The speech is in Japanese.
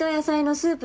スープ。